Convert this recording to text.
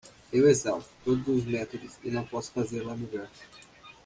Eu exausto todos os métodos e não posso fazê-la melhor.